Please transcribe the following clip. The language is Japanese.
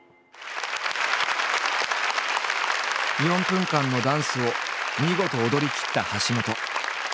４分間のダンスを見事踊りきった橋本。